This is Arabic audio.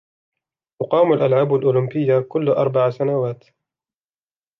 تقام الألعاب الأولمبية كل أربع سنوات